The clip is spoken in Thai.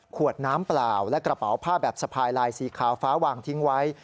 ขวดน้ำเปล่าและกระเป๋าผ้าแบบสะพายลายสีขาวฟ้าวางทิ้งไว้